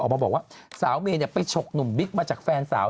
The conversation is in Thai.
ออกมาบอกว่าสาวเมย์ไปฉกหนุ่มบิ๊กมาจากแฟนสาว